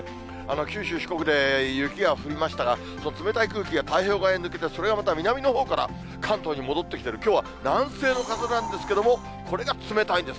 九州、四国で雪が降りましたが、冷たい空気が太平洋側へ抜けてそれがまた南のほうから関東に戻ってきてる、きょうは南西の風なんですけども、これが冷たいんです。